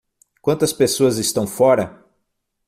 Quantas pessoas estão fora?